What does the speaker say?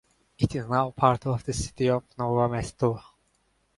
It is now part of the city of Novo Mesto.